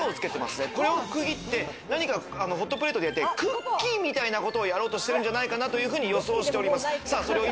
これを区切って、何かホットプレートで焼いて、クッキーみたいなことをやろうとしてるんじゃないかなと予想しております。